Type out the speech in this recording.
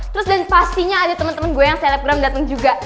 terus dan pastinya ada temen dua gue yang celebgram dateng juga